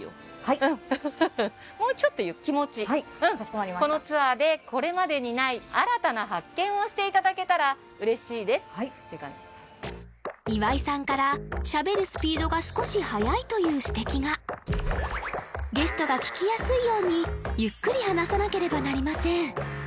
もうちょっと気持ちはいかしこまりましたこのツアーでこれまでにない新たな発見をしていただけたら嬉しいですって感じ岩井さんからしゃべるスピードが少し速いという指摘がゲストが聞きやすいようにゆっくり話さなければなりません